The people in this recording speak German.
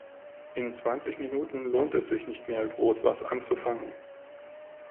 In zwanzig Minuten lohnt es sich nicht mehr, groß was anzufangen.